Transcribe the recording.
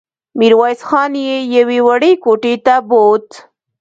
ميرويس خان يې يوې وړې کوټې ته بوت.